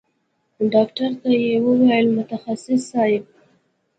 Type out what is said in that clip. ډاکتر ته يې وويل متخصص صايب.